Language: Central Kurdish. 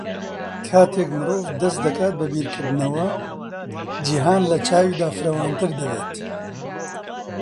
کاتێک مرۆڤ دەست دەکات بە بیرکردنەوە جیهان لە چاویدا فراوانتر دەبێت.